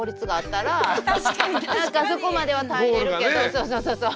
そうそうそうそう。